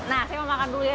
nah saya mau makan dulu ya